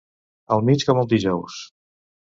Al mig, com el dijous.